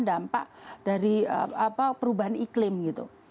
itu kan dampak dari perubahan iklim gitu